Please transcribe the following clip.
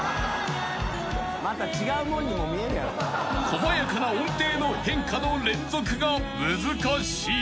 ［細やかな音程の変化の連続が難しい］